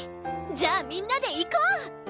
じゃあみんなで行こう！